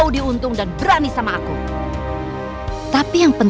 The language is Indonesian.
dia udah sadar sama telepon